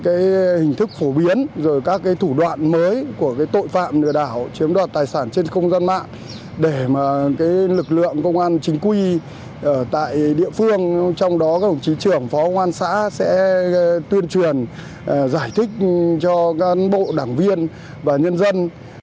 cái hình thức phổ biến rồi các cái thủ đoạn mới của cái tội phạm nửa đảo chiếm đoạt tài sản trên không gian mạng để mà cái lực lượng công an chính quy ở tại địa phương trong đó các đồng chí trưởng phó công an xã sẽ tuyên truyền giải thích cho cán bộ đảng viên và nhân dân